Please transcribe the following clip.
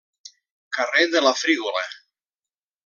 Carrer de la Frígola.